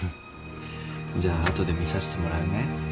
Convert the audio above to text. じゃあ後で見さしてもらうね。